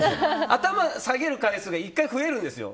頭下げる回数が１回増えるんですよ。